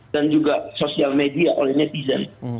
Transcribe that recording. juga sosial media oleh netizen